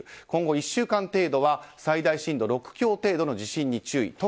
今後、１週間程度は最大震度６強程度の地震に注意。